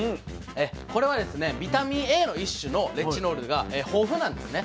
これはですねビタミンＡの一種のレチノールが豊富なんですね。